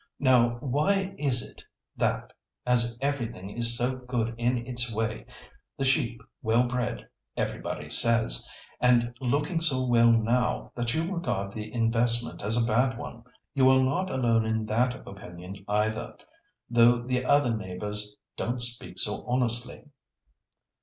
Now, why is it that, as everything is so good in its way, the sheep well bred, everybody says, and looking so well now, that you regard the investment as a bad one? You are not alone in that opinion either, though the other neighbours don't speak so honestly."